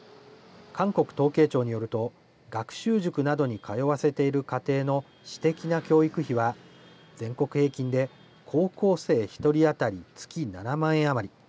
韓国統計庁によると、学習塾などに通わせている家庭の私的な教育費は、全国平均で高校生１人当たり月７万円余り。